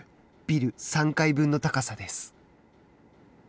ビル３階分の高さです。